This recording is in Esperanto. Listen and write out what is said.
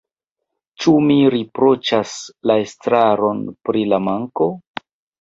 Ĉu mi riproĉas la estraron pri la manko?